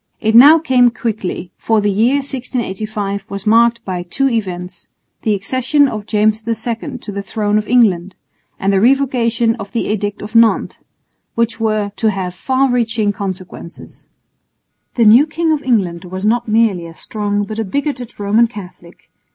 It now came quickly, for the year 1685 was marked by two events the accession of James II to the throne of England, and the Revocation of the Edict of Nantes which were to have far reaching consequences. The new King of England was not merely a strong but a bigoted Roman Catholic.